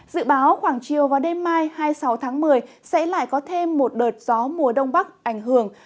dự báo khoảng chiều và đêm mai hai mươi sáu tháng một mươi sẽ lại có thêm một đợt gió mùa đông bắc ảnh hưởng